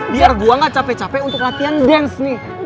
biar gue gak capek capek untuk latihan dance nih